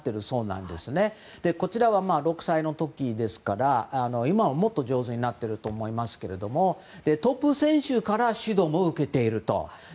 こちらは６歳の時ですから今はもっと上手になっていると思いますけどトップ選手から指導を受けていると。